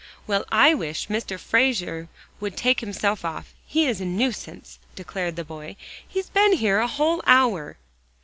"Well I wish Mr. Frazer would take himself off; he's a nuisance," declared the boy. "He's been here a whole hour."